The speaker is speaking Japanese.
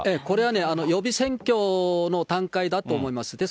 これはね、予備選挙の段階だと思います。